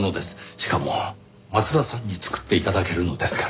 しかも松田さんに作って頂けるのですから。